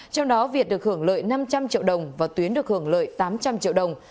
trong đó việt được hưởng lợi năm trăm linh triệu đồng và tuyến được hưởng lợi tám trăm linh triệu đồng